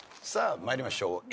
さあ参りましょう。